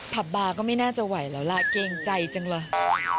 ผับบาร์ก็ไม่น่าจะไหวแล้วล่ะเกรงใจจังเลย